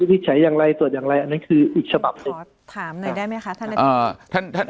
ฉัยอย่างไรตรวจอย่างไรอันนั้นคืออีกฉบับหนึ่งถามหน่อยได้ไหมคะท่านท่าน